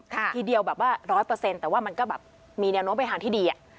ทีเดียวแบบว่าร้อยเปอร์เซ็นต์แต่ว่ามันก็แบบมีแนวโน้มไปทางที่ดีอะ